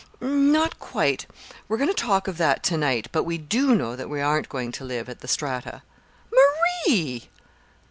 "Not quite. We're going to talk of that to night; but we do know that we aren't going to live at the Strata." "Marie!"